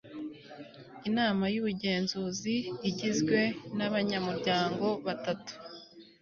inama y'ubugenzuzi igizwe n'abanyamuryango batatu